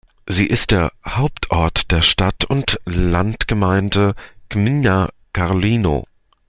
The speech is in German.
Sie ist der Hauptort der Stadt- und Landgemeinde Gmina Karlino.